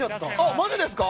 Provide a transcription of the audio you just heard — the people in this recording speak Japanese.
マジですか？